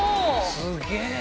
すげえな。